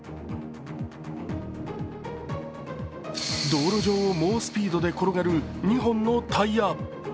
道路上を猛スピードで転がる２本のタイヤ。